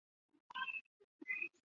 提供的服务包括话音。